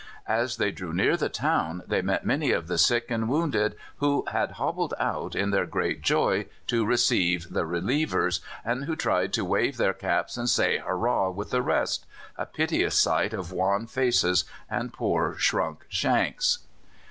As they drew near the town they met many of the sick and wounded who had hobbled out, in their great joy, to receive the relievers, and who tried to wave their caps and say Hurrah! with the rest a piteous sight of wan faces and poor shrunk shanks!